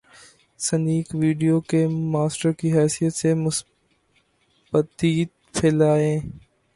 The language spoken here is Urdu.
سنیک ویڈیو کے ماسٹر کی حیثیت سے ، مثبتیت پھیلائیں۔